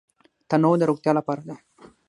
تنوع د روغتیا لپاره ده.